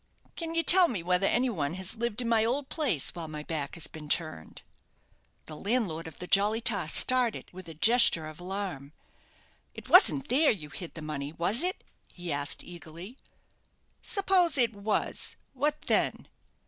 Can you tell me whether any one has lived in my old place while my back has been turned?" The landlord of the 'Jolly Tar' started with a gesture of alarm. "It wasn't there you hid the money, was it?" he asked, eagerly. "Suppose it was, what then?"